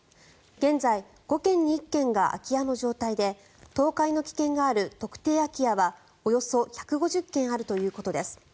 現在、５軒に１軒が空き家の状態で倒壊の危険がある特定空き家はおよそ１５０軒あるということです。